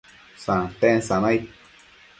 santen sanaid